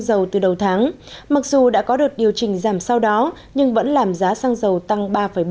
dầu từ đầu tháng mặc dù đã có được điều chỉnh giảm sau đó nhưng vẫn làm giá xăng dầu tăng ba bốn mươi năm